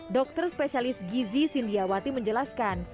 dokter spesialis gizi sindiawati menjelaskan